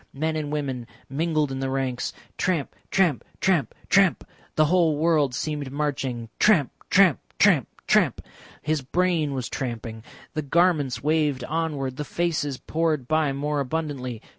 Men and women mingled in the ranks; tramp, tramp, tramp, tramp. The whole world seemed marching. Tramp, tramp, tramp, tramp; his brain was tramping. The garments waved onward, the faces poured by more abundantly.